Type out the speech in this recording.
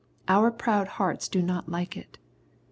Our proud hearts do not like it.